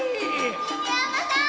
犬山さん！